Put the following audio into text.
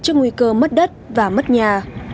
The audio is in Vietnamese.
trước nguy cơ mất đất và mất nhà